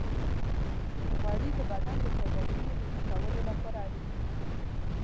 غوړې د بدن د فعالیتونو د ښه کولو لپاره اړینې دي.